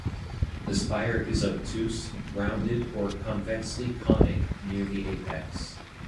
The spire is obtuse, rounded or convexly-conic near the apex.